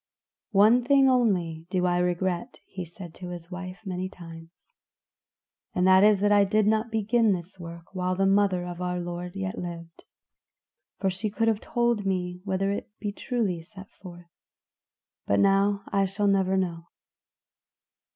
"One thing only do I regret," he said to his wife many times, "and that is that I did not begin this work while the mother of our Lord yet lived; for she could have told me whether it be truly set forth; but now I shall never know."